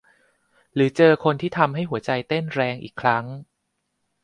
หรือเจอคนที่ทำให้หัวใจเต้นแรงอีกครั้ง